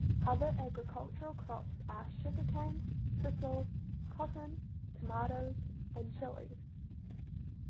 Other agricultural crops are sugar-cane, sisal, cotton, tomatoes and chillies.